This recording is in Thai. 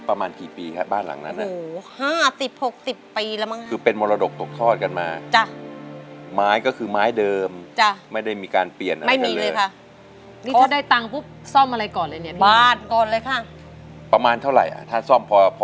เขาถึงสามหมื่นอีกหมื่นก็ซื้อตะปูซื้อนูซึ้นนี่ซึ้นนี่